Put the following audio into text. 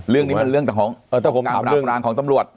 เรื่องนี้เป็นเรื่องที่การตามปรางของตำรวจ